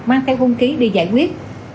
mang theo hung ký đi giải quyết